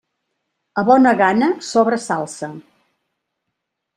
A bona gana, sobra salsa.